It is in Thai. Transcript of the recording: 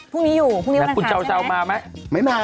วันนี้อยู่พรุ่งนี้วานหางค่านใช่ไหมจ๊าวจะเอามาไหม